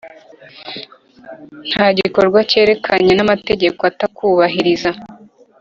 nta gikorwa cyerekeranye n amategeko atakubahiriza